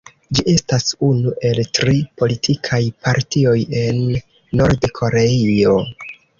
Ĝi estas unu el tri politikaj partioj en Nord-Koreio.